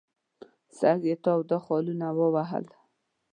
سږ یې تاوده خالونه ووهل.